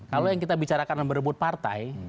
kalau yang kita bicarakan berebut partai